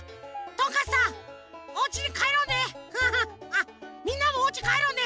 あっみんなもおうちかえろうね！